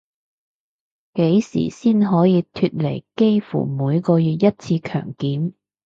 幾時先可以脫離幾乎每個月一次強檢